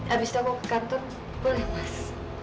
abis itu aku ke kantor boleh mas